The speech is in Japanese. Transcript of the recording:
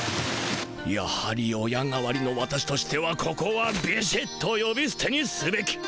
やはり親代わりの私としてはここはビシッとよびすてにすべき。